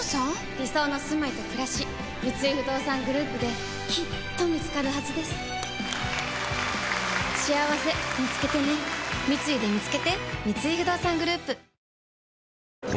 理想のすまいとくらし三井不動産グループできっと見つかるはずですしあわせみつけてね三井でみつけてＬｅｏｎａｒｄｏ！